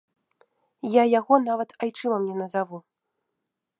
Я яго нават айчымам не назаву.